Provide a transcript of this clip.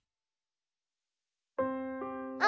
「あ！」